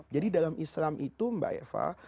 jadi dalam islam itu mbak eva